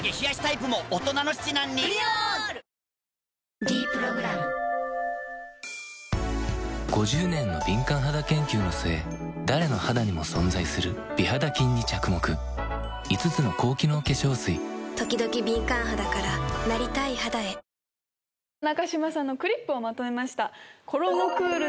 大人の七難に「ｄプログラム」５０年の敏感肌研究の末誰の肌にも存在する美肌菌に着目５つの高機能化粧水ときどき敏感肌からなりたい肌へ中島さんのＣＬＩＰをまとめました。